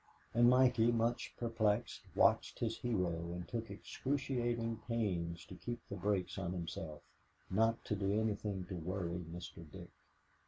And Mikey, much perplexed, watched his hero and took excruciating pains to keep the brakes on himself, not to do anything to worry Mr. Dick.